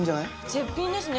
絶品ですね。